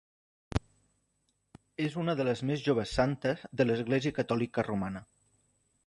És una de les més joves santes de l'Església Catòlica Romana.